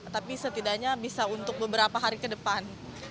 tapi setidaknya bisa untuk beberapa hari ke depan